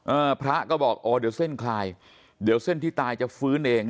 เออพระก็บอกอ๋อเดี๋ยวเส้นคลายเดี๋ยวเส้นที่ตายจะฟื้นเอง